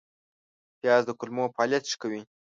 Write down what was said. پیاز د کولمو فعالیت ښه کوي